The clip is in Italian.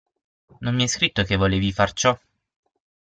Non mi hai scritto che volevi far ciò?